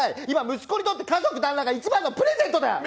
今息子にとって家族団らんが一番のプレゼントだ！